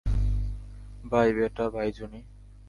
By বেটা, bye জুনি!